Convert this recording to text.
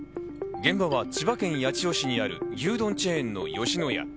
現場は千葉県八千代市にある牛丼チェーンの吉野家。